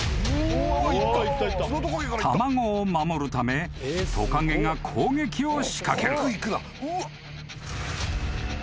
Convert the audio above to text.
［卵を守るためトカゲが攻撃を仕掛ける］